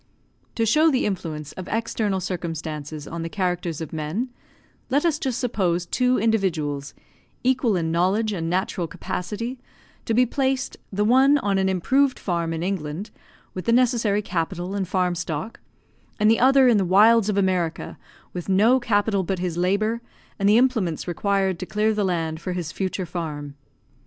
To show the influence of external circumstances on the characters of men, let us just suppose two individuals, equal in knowledge and natural capacity, to be placed, the one on an improved farm in England, with the necessary capital and farm stock, and the other in the wilds of America, with no capital but his labour, and the implements required to clear the land for his future farm.